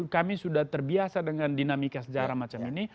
kami sudah terbiasa dengan dinamika sejarah macam ini